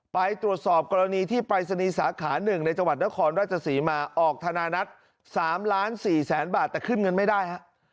ไปตรวจสอบกรณีที่ปรายศนีย์สาขา๑ในจังหวัดนครราชศรีมาออกธนานัท๓ล้าน๔แสนบาทแต่ขึ้นเงินไม่ได้ฮะ